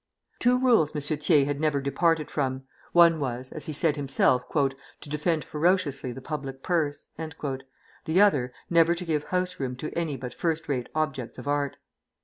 Two rules M. Thiers never departed from: one was, as he said himself, "to defend ferociously the public purse," the other, never to give house room to any but first rate objects of art.